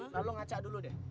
nah lo ngacak dulu deh